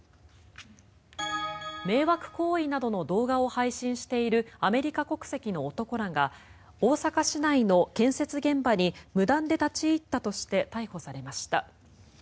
迷惑行為などの動画を配信しているアメリカ国籍の男らが大阪市内の建設現場に無断で立ち入ったとして逮捕されました。